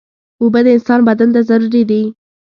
اوبه د انسان بدن ته ضروري دي.